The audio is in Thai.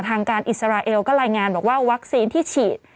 ทางการอิสราเอลก็รายงานบอกว่าวัคซีนที่ฉีด